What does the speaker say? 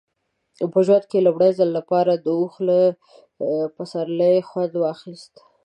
په ژوند کې مې د لومړي ځل لپاره د اوښ له سپرلۍ خوند واخیست.